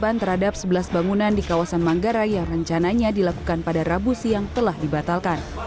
pembelaan terhadap sebelas bangunan di kawasan manggarai yang rencananya dilakukan pada rabu siang telah dibatalkan